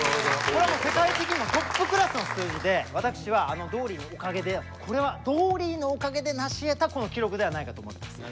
これはもう世界的にもトップクラスの数字で私はあのドーリーのおかげでこれはドーリーのおかげでなしえたこの記録ではないかと思ってます。